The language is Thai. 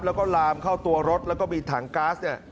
แล้วก็ลามเข้าตัวรถแล้วก็มีถังก๊าซเนี่ย